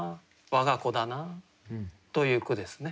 我が子だなという句ですね。